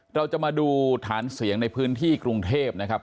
เราจะมาดูฐานเสียงในพื้นที่กรุงเทพนะครับ